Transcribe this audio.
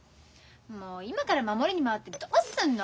もう今から守りに回ってどうすんの？